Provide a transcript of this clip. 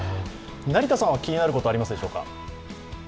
成田さんは気になることありますでしょうか？